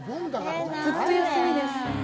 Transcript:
ずっと休みです。